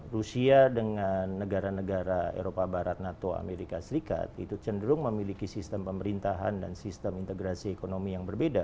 rusia dengan negara negara eropa barat nato amerika serikat itu cenderung memiliki sistem pemerintahan dan sistem integrasi ekonomi yang berbeda